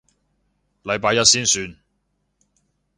禮拜一先算